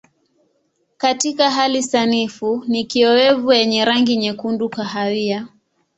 Katika hali sanifu ni kiowevu yenye rangi nyekundu kahawia.